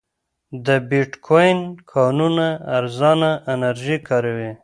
د بېټکوین کانونه ارزانه انرژي کاروي.